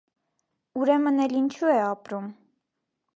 Ուրեմն էլ ինչո՞ւ է ապրում: